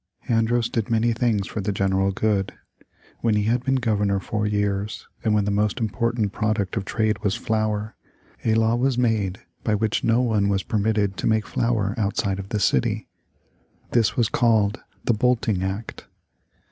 Andros did many things for the general good. When he had been Governor four years, and when the most important product of trade was flour, a law was made by which no one was permitted to make flour outside of the city. This was called the Bolting Act.